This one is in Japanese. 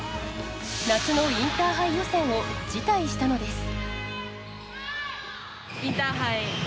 夏のインターハイ予選を辞退したのです。